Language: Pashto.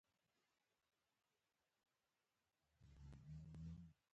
خلکو ته باید یو ډیر مهم ټکی ور زده کړل شي.